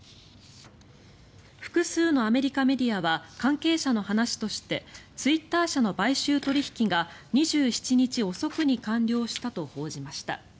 複数のアメリカメディアは関係者の話としてツイッター社の買収取引が２７日遅くに完了したと報じました。